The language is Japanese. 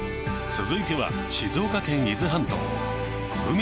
続いては、静岡県、伊豆半島。